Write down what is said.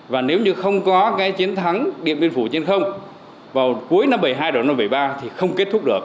và nếu như không có chiến thắng điện biên phủ chiến không vào cuối năm một nghìn chín trăm bảy mươi hai một nghìn chín trăm bảy mươi ba thì không kết thúc được